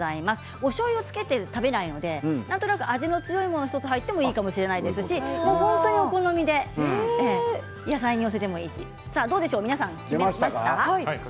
おしょうゆをつけて食べないのでなんとなく味の強いものが１つ入ってもいいかもしれないですし本当にお好みで皆さん、決めました？